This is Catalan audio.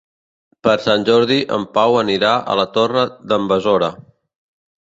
Per Sant Jordi en Pau anirà a la Torre d'en Besora.